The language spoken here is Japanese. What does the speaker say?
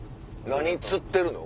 何釣ってるの？